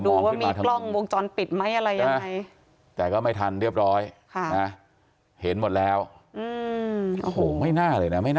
ดูว่ามีกล้องวงจรปิดไหมอะไรยังไง